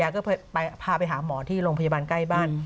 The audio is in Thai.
ก็พาไปหาหมอที่โรงพยาบาลใกล้บ้าน